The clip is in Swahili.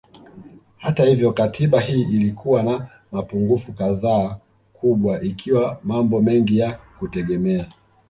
Hata hivyo Katiba hii ilikuwa na mapungufu kadhaa kubwa ikiwa mambo mengi ya kutegemea